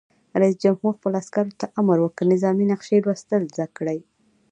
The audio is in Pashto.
رئیس جمهور خپلو عسکرو ته امر وکړ؛ نظامي نقشې لوستل زده کړئ!